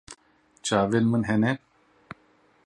Çavên min hene.